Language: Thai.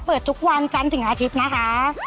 เปิดทุกวันจันทร์ถึงอาทิตย์นะคะ